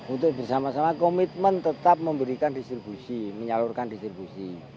untuk bersama sama komitmen tetap memberikan distribusi menyalurkan distribusi